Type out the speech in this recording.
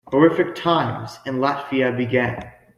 Horrific times in Latvia began.